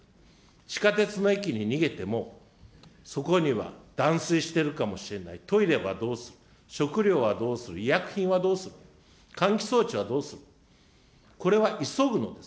地下鉄の駅に逃げても、そこには断水しているかもしれない、トイレはどうする、食料はどうする、医薬品はどうする、換気装置はどうする、これは急ぐのです。